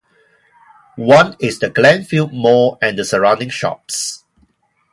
One is the Glenfield Mall and the surrounding shops.